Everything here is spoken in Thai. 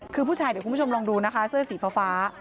คือผู้ชายเดี๋ยวคุณผู้ชมลองดูนะคะเสื้อสีฟ้า